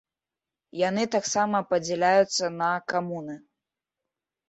Яны таксама падзяляюцца на камуны.